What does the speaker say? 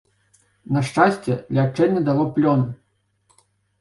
На шчасце, лячэнне дало плён.